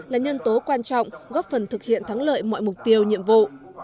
là nhân tố quan trọng góp phần thực hiện thắng lợi mọi mục tiêu nhiệm vụ